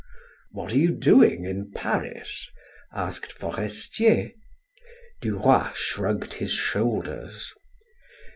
"What are you doing in Paris?" asked Forestier, Duroy shrugged his shoulders.